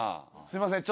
すいません。